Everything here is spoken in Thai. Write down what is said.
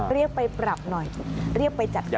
เรียกไปปรับหน่อยเรียกไปจัดการ